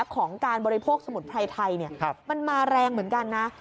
ของการบริโภคสมุนไพรไทยมันมาแรงเหมือนกันนะ